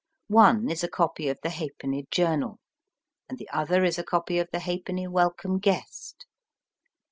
One is a copy of the Halfpenny Journal, and the other is a copy of the Halfpenny Welcome Guest.